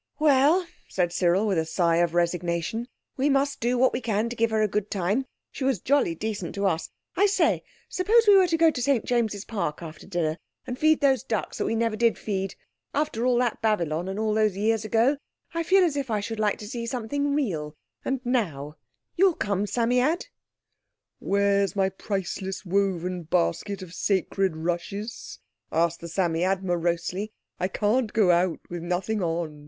"Well," said Cyril, with a sigh of resignation, "we must do what we can to give her a good time. She was jolly decent to us. I say, suppose we were to go to St James's Park after dinner and feed those ducks that we never did feed. After all that Babylon and all those years ago, I feel as if I should like to see something real, and now. You'll come, Psammead?" "Where's my priceless woven basket of sacred rushes?" asked the Psammead morosely. "I can't go out with nothing on.